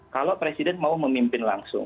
kalau presiden mau memimpin langsung